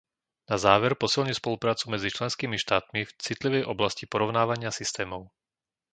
Na záver posilní spoluprácu medzi členskými štátmi v citlivej oblasti porovnávania systémov.